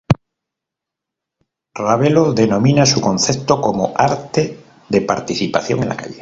Ravelo denomina su concepto como "Arte de participación en la calle".